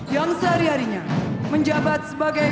yang sehari harinya menjabat sebagai